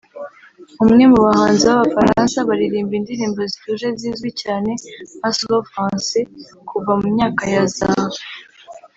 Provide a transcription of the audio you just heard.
umwe mu bahanzi b’abafaransa baririmba indirimbo zituje zizwi cyane nka slow français kuva mu myaka ya za